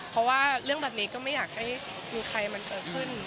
เพราะว่าเรื่องแบบนี้ก็ไม่อยากให้มีใครมันเกิดขึ้น